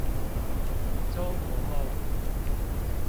中國夢